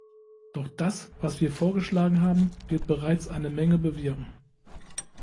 Doch das, was wir vorgeschlagen haben, wird bereits eine Menge bewirken.